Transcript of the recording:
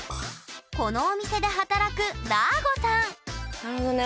このお店で働くだーごさんなるほどね。